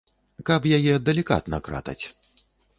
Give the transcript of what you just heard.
Каб яе далікатна кратаць.